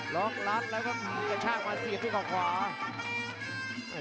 ล๊อคลับแล้วก็กระชากมา๔กลับขวา